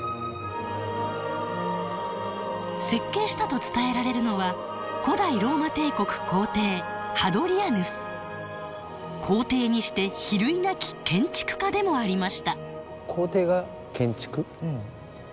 設計したと伝えられるのは古代ローマ帝国皇帝皇帝にして比類なき建築家でもありました。